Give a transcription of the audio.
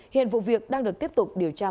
hiện vụ việc đang được tiếp tục điều tra mở